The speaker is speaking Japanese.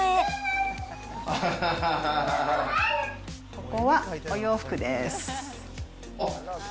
ここはお洋服です。